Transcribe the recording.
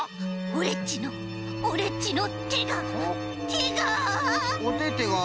オレっちのオレっちのてがてが！